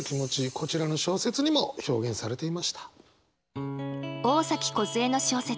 こちらの小説にも表現されていました。